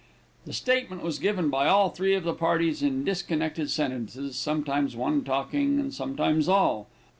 The statement was given by all three of the parties in disconnected sentences, sometimes one talking, and sometimes all.